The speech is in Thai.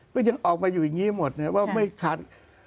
ก็ยังออกมาอยู่อย่างงี้หมด